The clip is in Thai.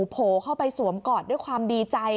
โผล่เข้าไปสวมกอดด้วยความดีใจ